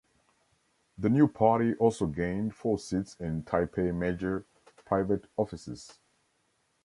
The New Party also gained four seats in Taipei Major private offices.